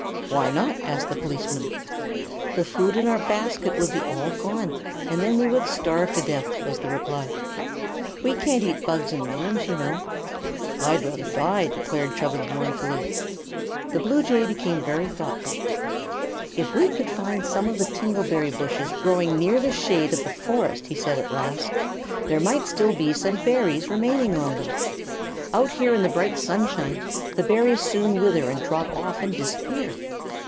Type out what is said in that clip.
"Why not?" asked the policeman. "The food in our basket would all be gone, and then we would starve to death," was the reply. "We can't eat bugs and worms, you know." "I'd rather die!" declared Chubbins, mournfully. The bluejay became very thoughtful. "If we could find some of the tingle bushes growing near the shade of the forest," he said at last, "there might still be some berries remaining on them. Out here in the bright sunshine the berries soon wither and drop off and disappear."